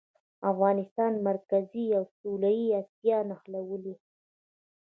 افغانستان مرکزي او سویلي اسیا نښلوي